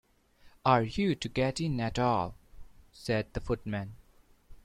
‘Are you to get in at all?’ said the Footman.